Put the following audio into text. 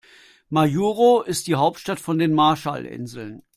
Majuro ist die Hauptstadt von den Marshallinseln.